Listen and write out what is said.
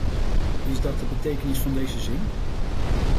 Is dat de betekenis van deze zin?